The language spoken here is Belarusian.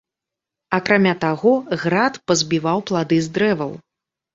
Акрамя таго, град пазбіваў плады з дрэваў.